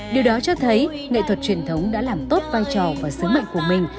điều đó cho thấy nghệ thuật truyền thống đã làm tốt vai trò và sứ mệnh của mình